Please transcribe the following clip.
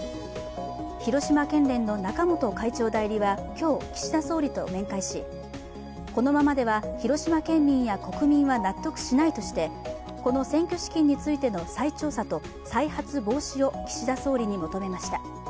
広島県連の中本会長代理は今日、岸田総理と面会しこのままでは広島県民や国民は納得しないとしこの選挙資金についての再調査と再発防止を岸田総理に求めました。